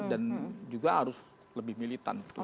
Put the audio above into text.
dan juga harus lebih militan